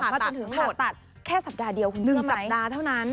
จนถึงผ่าตัดแค่สัปดาห์เดียวคุณ๑สัปดาห์เท่านั้น